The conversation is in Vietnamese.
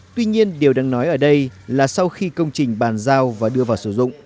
tuy nhiên điều đáng nói ở đây là sau khi công trình bàn giao và đưa vào sử dụng